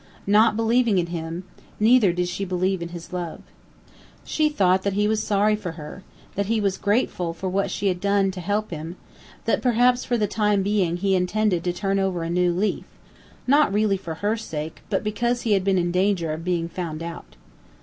Not believing in him, neither did she believe in his love. She thought that he was sorry for her, that he was grateful for what she had done to help him; that perhaps for the time being he intended to "turn over a new leaf," not really for her sake, but because he had been in danger of being found out.